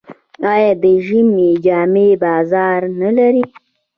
آیا د ژمي جامې بازار نلري؟